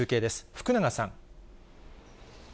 福永さん。